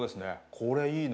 これいいな。